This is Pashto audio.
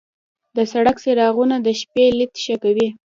د سړک څراغونه د شپې لید ښه کوي.